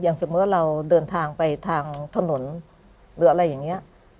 อย่างเมื่อเราเดินทางไปทางถนนหรืออะไรอย่างเงี้ย